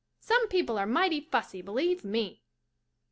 Some people are mighty fussy, believe me.